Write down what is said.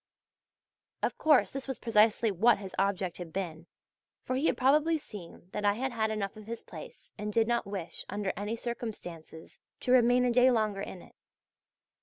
Of course this was precisely what his object had been, for he had probably seen that I had had enough of his place and did not wish under any circumstances to remain a day longer in it.